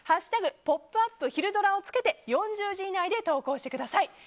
ポップＵＰひるドラ」をつけて４０字以内で投稿してください。